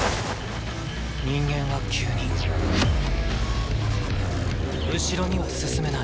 人間は急に後ろには進めない。